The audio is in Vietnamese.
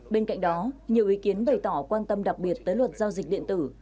bên cạnh đó nhiều ý kiến bày tỏ quan tâm đặc biệt tới luật giao dịch điện tử